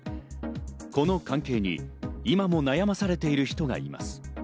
この関係に今も悩まされている人がいます。